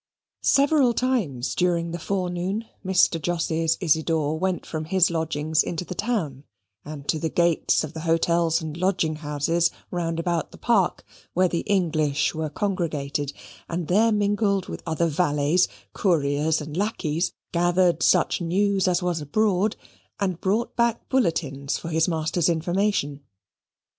Several times during the forenoon Mr. Jos's Isidor went from his lodgings into the town, and to the gates of the hotels and lodging houses round about the Parc, where the English were congregated, and there mingled with other valets, couriers, and lackeys, gathered such news as was abroad, and brought back bulletins for his master's information.